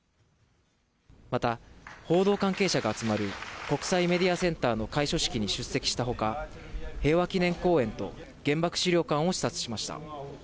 また、報道関係者が集まる国際メディアセンターの開所式に出席したほか、平和記念公園と、原爆資料館を視察しました。